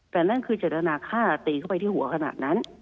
แต่นั่นคือเจตนาฆ่าตีเข้าไปที่หัวขนาดนั้น